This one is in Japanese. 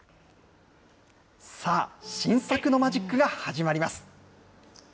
さあ、新作のマジックが始まります。